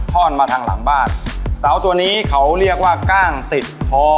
ท่อนมาทางหลังบ้านเสาตัวนี้เขาเรียกว่ากล้างติดคอ